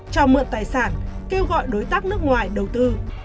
cho mượn tài sản kêu gọi đối tác nước ngoài đầu tư